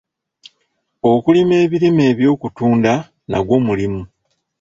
Okulima ebirime eby'okutunda nagwo mulimu.